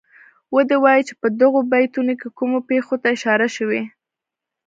ودې وايي چه په دغو بیتونو کې کومو پېښو ته اشاره شوې.